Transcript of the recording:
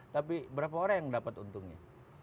tapi berapa orang yang dapat untungnya